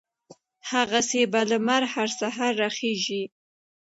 هغسې به لمر هر سهار را خېژي